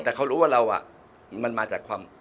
แต่เขารู้ว่าเรามันมาจากความ